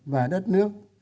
và đất nước